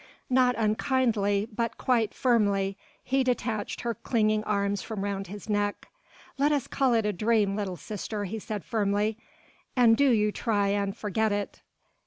Not unkindly but quite firmly he detached her clinging arms from round his neck. "Let us call it a dream, little sister," he said firmly, "and do you try and forget it."